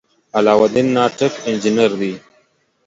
علاالدین ناټک انجنیر دی.